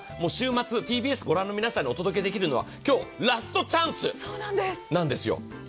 週末、ＴＢＳを御覧の皆さんにお届けできるのは今日ラストチャンスなんですよ。